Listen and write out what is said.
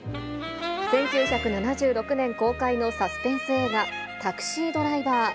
１９７６年公開のサスペンス映画、タクシードライバー。